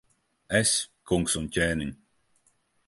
Es, kungs un ķēniņ!